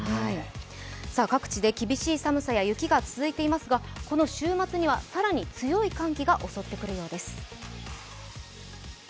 各地で厳しい寒さや雪が続いていますが、この週末には更に強い寒気が襲ってくるようです。